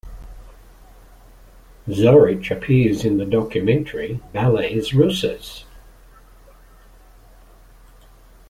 Zoritch appears in the documentary "Ballets Russes".